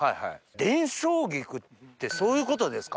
電照菊ってそういうことですか？